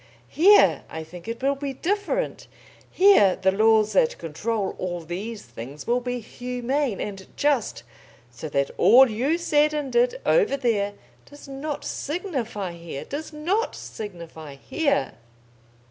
Here I think it will be different. Here the laws that control all these things will be humane and just. So that all you said and did, over there, does not signify here does not signify here!"